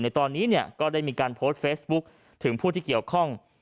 ในตอนนี้ก็ได้มีการโพสต์เฟซบุ๊คถึงผู้ที่เกี่ยวข้อง